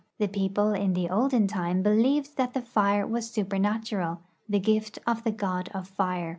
The people in the olden time believed that the fire was supernatural — the gift of the god of fire.